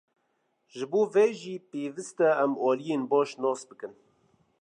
Ji bo vê jî pêwîst e em aliyan baş nas bikin.